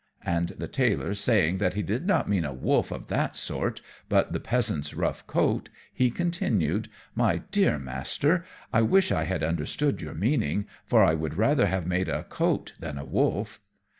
And the Tailor saying that he did not mean a wolf of that sort, but the peasant's rough coat, he continued, "My dear Master, I wish I had understood your meaning, for I would rather have made a coat than a wolf."